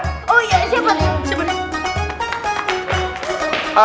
oh iya cepet